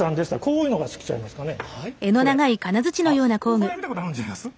これ見たことあるんちゃいます？